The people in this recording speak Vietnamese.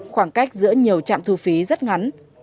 khoảng cách giữa nhiều trạm thu phí rất ngắn